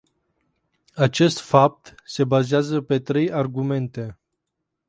Acest fapt se bazează pe trei argumente.